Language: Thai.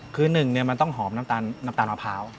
คือหนึ่งเนื้อต้องหอมนับตาลมะพร้าว